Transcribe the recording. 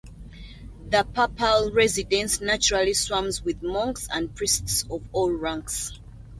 The papal residence naturally swarms with monks and priests of all ranks.